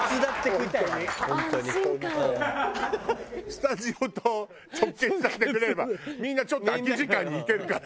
スタジオと直結させてくれればみんなちょっと空き時間に行けるから。